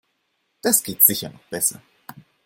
Das geht sicher noch besser.